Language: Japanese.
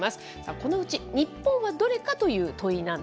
このうち日本はどれかという問い